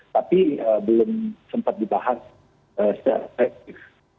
tapi belum sempat dibahas secara efektif